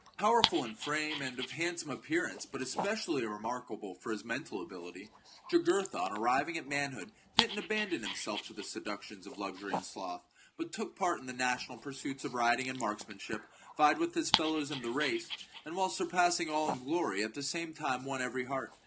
CHAP. Powerful in frame, and of handsome appearance, but especially remarkable for mental ability, Jugurtha, on arriving at manhood, did not abandon himself to the seductions of luxury and sloth, but took part in the national pursuits of riding and marksmanship, vied with his fellows in the race, and, while surpassing all in glory, at the same time won every heart.